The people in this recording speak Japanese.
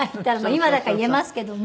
今だから言えますけども。